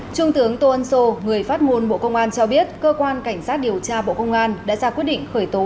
trung tướng tô ân sô người phát ngôn bộ công an cho biết cơ quan cảnh sát điều tra bộ công an đã ra quyết định khởi tố